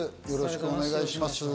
よろしくお願いします。